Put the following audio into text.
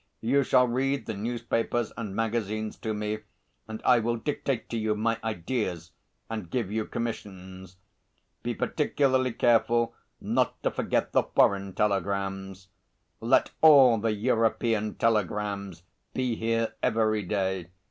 You shall read the newspapers and magazines to me, and I will dictate to you my ideas and give you commissions. Be particularly careful not to forget the foreign telegrams. Let all the European telegrams be here every day.